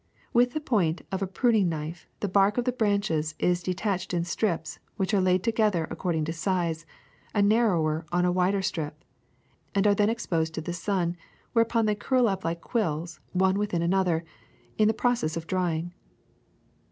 With the point of a pruning knife the bark of the branches is de tached in strips, which are laid together according to size, a narrower on a wider strip, and are then exposed to the sun, where upon they curl up like quills, one within another, in the process of drying.'